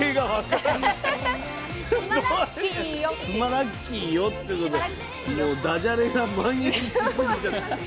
「しまラッキーよ」ってことでもうダジャレがまん延しすぎちゃって。